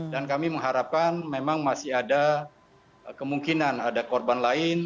dan kami mengharapkan memang masih ada kemungkinan ada korban lain